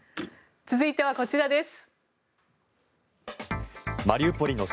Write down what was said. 続いては、こちらです。